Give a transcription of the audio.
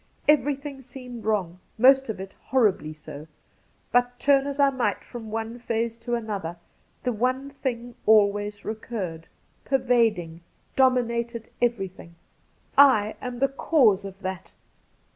Everything seemed wrong — most of it horribly so — but turn as I might from one phase to another, the one thing always recurred, pervading, dominating every thing :' I am the cause of that.'